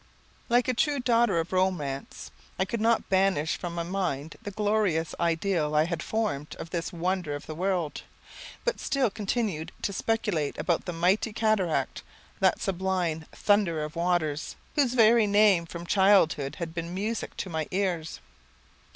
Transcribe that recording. Like a true daughter of romance, I could not banish from my mind the glorious ideal I had formed of this wonder of the world; but still continued to speculate about the mighty cataract, that sublime "thunder of waters," whose very name from childhood had been music to my ears.